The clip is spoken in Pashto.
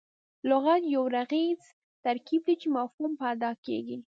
لغت یو ږغیز ترکیب دئ، چي مفهوم په اداء کیږي.